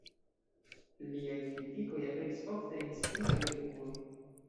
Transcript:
Liaj kritikoj aperis ofte en signifaj revuoj.